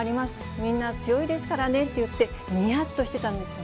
みんな強いですからねって言って、にやっとしてたんですよ。